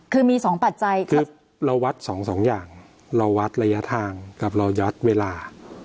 คือมีสองปัจจัยคือเราวัดสองสองอย่างเราวัดระยะทางกับเรายัดเวลา